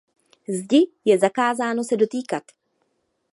Zdi je zakázáno se dotýkat.